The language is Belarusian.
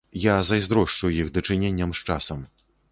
Я зайздрошчу іх дачыненням з часам.